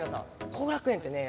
後楽園ってね